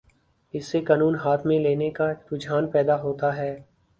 اس سے قانون ہاتھ میں لینے کا رجحان پیدا ہوتا ہے۔